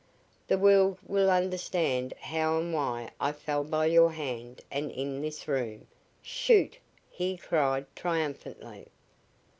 "The world will understand how and why I fell by your hand and in this room. Shoot!" he cried, triumphantly.